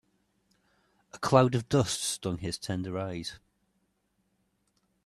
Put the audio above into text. A cloud of dust stung his tender eyes.